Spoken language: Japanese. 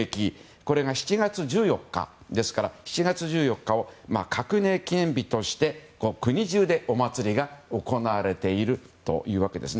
これが７月１４日ですから７月１４日を革命記念日として国中でお祭りが行われているというわけです。